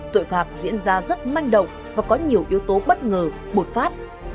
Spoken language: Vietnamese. tội phạm diễn ra rất manh động và có nhiều yếu tố bất ngờ bột phát